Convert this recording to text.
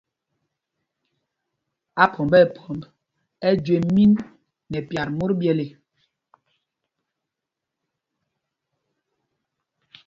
Aphɔmb nɛ phɔmb ɛ jüe mín nɛ pyat mot ɓyɛl ê.